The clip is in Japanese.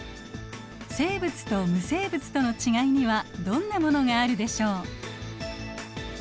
生物と無生物とのちがいにはどんなものがあるでしょう。